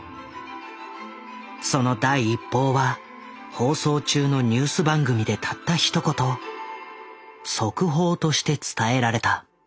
その第一報は放送中のニュース番組でたったひと言速報として伝えられた。